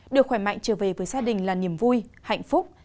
được khỏe mạnh trở về với gia đình là niềm vui hạnh phúc